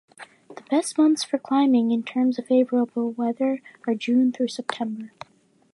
The best months for climbing in terms of favorable weather are June through September.